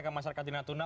ke masyarakat di natuna